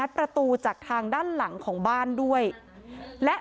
ไม่ใช่ไม่ใช่ไม่ใช่